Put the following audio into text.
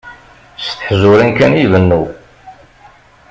S teḥjurin kan i ibennu.